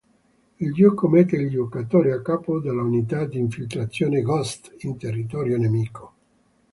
Il gioco mette il giocatore a capo dell'unità di infiltrazione Ghost in territorio nemico.